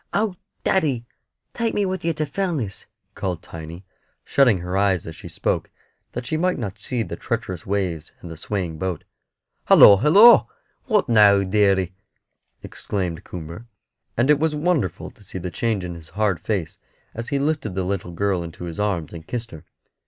"Oh, daddy, take me with yer to Fellness," called Tiny, shutting her eyes as she spoke that she might not see the treacherous waves and the swaying boat. "Halloo, halloo! What now, deary?" exclaimed Coomber. And it was wonderful to see the change in his hard face as he lifted the little girl in his arms and kissed her.